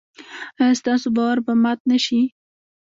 ایا ستاسو باور به مات نشي؟